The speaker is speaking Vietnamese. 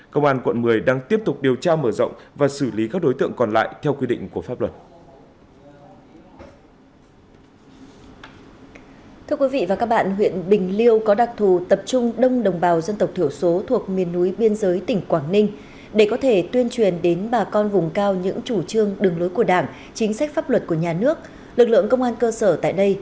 công an quận một mươi đang tiếp tục điều tra mở rộng và xử lý các đối tượng còn lại theo quy định của pháp luật